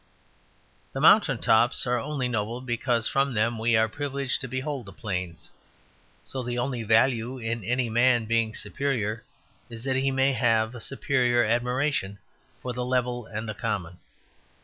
The mountain tops are only noble because from them we are privileged to behold the plains. So the only value in any man being superior is that he may have a superior admiration for the level and the common.